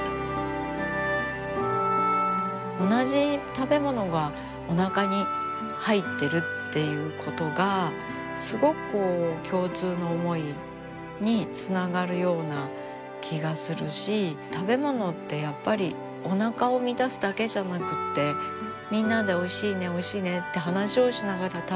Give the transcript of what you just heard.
同じ食べ物がおなかに入ってるっていうことがすごくこう共通の思いにつながるような気がするし食べ物ってやっぱりおなかを満たすだけじゃなくてみんなで「おいしいねおいしいね」って話をしながら食べること